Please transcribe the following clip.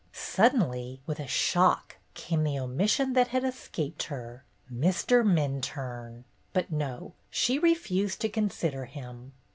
Suddenly, with a shock, came the omission that had escaped her, — Mr. Minturne 1 But no 1 She refused to consider him.